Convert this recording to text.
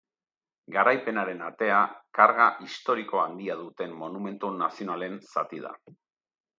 Garaipenaren atea, karga historiko handia duten monumentu nazionalen zati da.